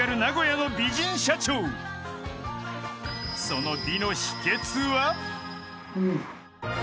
［その美の秘訣は？］